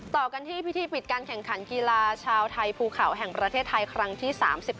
ต่อกันที่พิธีปิดการแข่งขันกีฬาชาวไทยภูเขาแห่งประเทศไทยครั้งที่๓๑